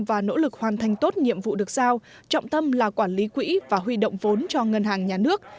và nỗ lực hoàn thành tốt nhiệm vụ được giao trọng tâm là quản lý quỹ và huy động vốn cho ngân hàng nhà nước